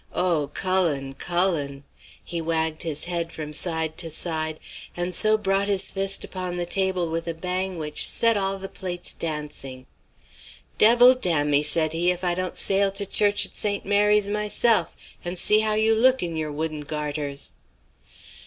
Oh, Cullen, Cullen!' He wagged his head from side to side, and so brought his fist upon the table with a bang which set all the plates dancing. 'Devil damn me,' said he, 'if I don't sail to church at St. Mary's myself and see how you look in your wooden garters.'